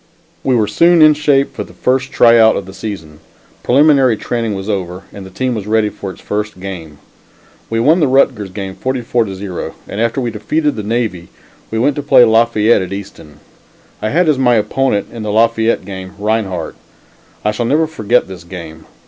We were soon in shape for the first try out of the season; preliminary training was over, and the team was ready for its first game. We won the Rutgers game 44 to 0 and after we defeated the Navy, we went to play Lafayette at Easton. I had as my opponent in the Lafayette game, Rinehart. I shall never forget this game.